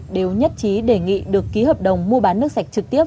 đều nhất trí đề nghị được ký hợp đồng mua bán nước sạch trực tiếp